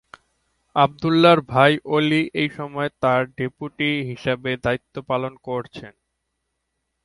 আবদুল্লাহর ভাই আলি এসময় তার ডেপুটি হিসেবে দায়িত্বপালন করেছেন।